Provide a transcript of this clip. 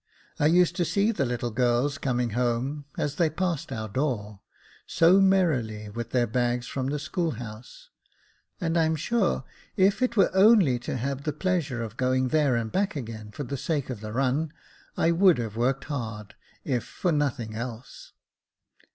I used to see the little girls coming home, as they passed our door, so merrily, with their bags from the school house ; and I'm sure, if it were only to have the pleasure of going there and back again for the sake of the run, I would have worked hard, if for nothing else."